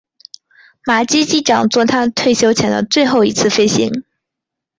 马基机长作他退休前的最后一次飞行。